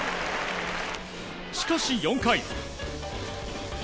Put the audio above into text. しかし４回。